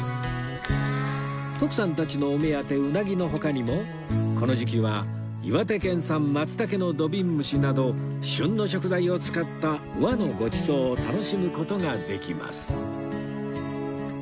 徳さんたちのお目当てうなぎの他にもこの時期は岩手県産マツタケの土瓶蒸しなど旬の食材を使った和のごちそうを楽しむ事ができます